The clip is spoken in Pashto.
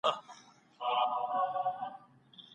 مشورې سمې نه وې.